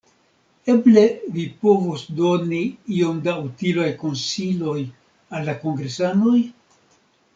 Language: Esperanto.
Eble vi povus doni iom da utilaj konsiloj al la kongresanoj?